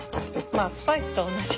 まあスパイスとおんなじ。